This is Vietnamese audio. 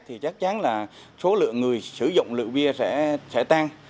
thì chắc chắn là số lượng người sử dụng rượu bia sẽ tăng